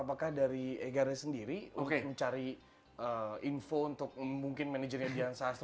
apakah dari egarnya sendiri untuk mencari info untuk mungkin manajernya dian sastro